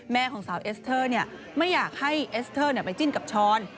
แม่ของสาวเอสเตอร์เนี่ยไม่อยากให้เอสเตอร์เนี่ยไปจิ้นกับช้อน